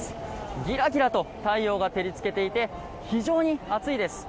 ギラギラと太陽が照り付けていて非常に暑いです。